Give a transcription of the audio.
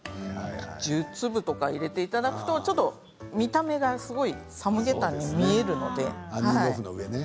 １０粒とか入れていただくとちょっと見た目がすごいサムゲタンに見えるので。